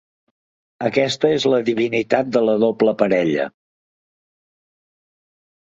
Aquesta és la divinitat de la doble parella.